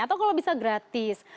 atau kalau bisa gratis